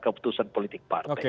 keputusan politik partai